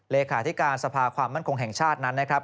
เลขาธิการสภาความมั่นคงแห่งชาตินั้นนะครับ